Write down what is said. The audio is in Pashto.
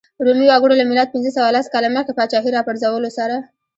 رومي وګړو له میلاد پنځه سوه لس کاله مخکې پاچاهۍ راپرځولو سره.